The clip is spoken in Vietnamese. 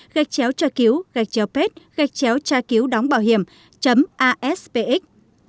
gachcheo tra cứu gachcheo pet gachcheo tra cứu đóng bảo hiểm aspx